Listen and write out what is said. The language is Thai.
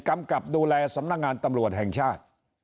กำกับดูแลสำนักงานตำรวจแห่งชาติ